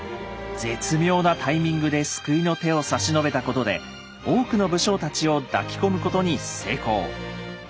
絶妙なタイミングで救いの手を差し伸べたことで多くの武将たちを抱き込むことに成功。